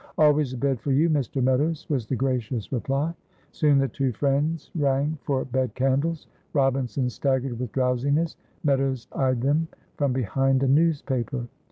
"Always a bed for you, Mr. Meadows," was the gracious reply. Soon the two friends rang for bed candles. Robinson staggered with drowsiness. Meadows eyed them from behind a newspaper.